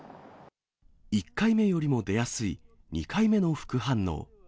１回目よりも出やすい、２回目の副反応。